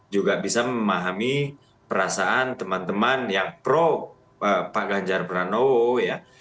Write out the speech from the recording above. juga bisa memahami perasaan teman teman yang pro pak ganjar pranowo ya